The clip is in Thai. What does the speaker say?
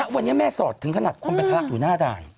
วันนี้แม่สอดถึงขนาดคนเป็นฮรักษณ์อยู่หน้าด่าย